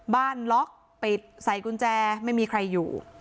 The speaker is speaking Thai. ล็อกปิดใส่กุญแจไม่มีใครอยู่